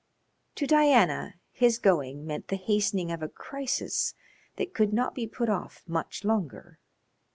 To Diana his going meant the hastening of a crisis that could not be put off much longer.